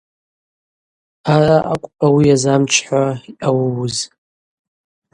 Араъа акӏвпӏ ауи йазамчхӏахуа йъауыуыз.